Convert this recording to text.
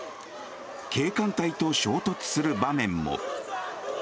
警官隊と衝突する場面も。